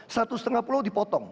satu setengah pulau dipotong